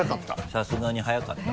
さすがに速かったわ。